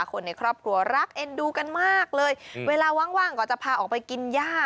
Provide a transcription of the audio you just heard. คนในครอบครัวรักเอ็นดูกันมากเลยเวลาว่างก็จะพาออกไปกินย่า